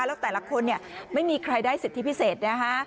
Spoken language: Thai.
แล้วแต่ละคนเนี่ยไม่มีใครได้สิทธิพิเศษนะฮะ